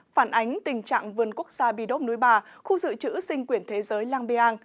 phản ánh tình trạng vườn quốc gia bidop núi bà khu dự trữ sinh quyền thế giới lang biang